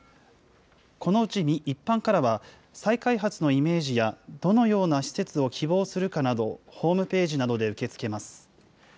このうち一般からは、再開発のイメージやどのような施設を希望するかなど、ホームページなどで受け付けます。